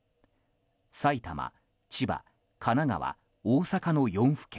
埼玉、千葉、神奈川大阪の４府県。